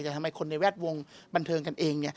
แต่ทำไมคนในแวดวงบันเทิงกันเอง